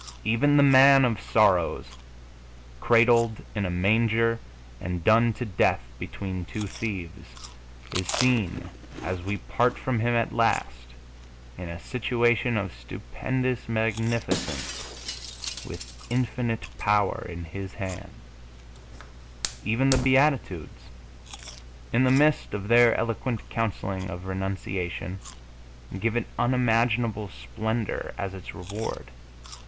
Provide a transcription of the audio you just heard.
Even the Man of Sorrows, cradled in a manger and done to death between two thieves, is seen, as we part from Him at last, in a situation of stupendous magnificence, with infinite power in His hands. Even the Beatitudes, in the midst of their eloquent counselling of renunciation, give it unimaginable splendor as its reward.